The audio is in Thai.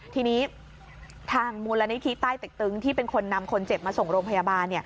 ทีนี้ทางมูลนิธิใต้เต็กตึงที่เป็นคนนำคนเจ็บมาส่งโรงพยาบาล